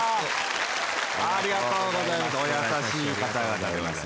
ありがとうございます。